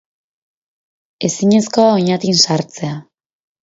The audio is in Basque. Ezinezkoa da Oñatin sartzea.